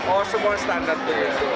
oh semua standar begitu